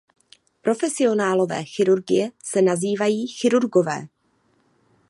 Profesionálové chirurgie se nazývají "chirurgové".